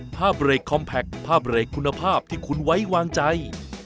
ภาพเลขคอมแพคภาพเลขคุณภาพที่คุณไว้วางใจ